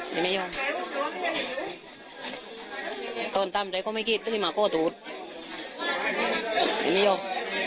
ยังไม่ยอมต้นตำใจก็ไม่กินตื่นหมาโกดูดยังไม่ยอม